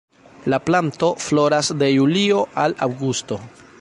La planto floras de julio al aŭgusto.